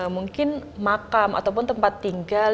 makam atau tempat tinggal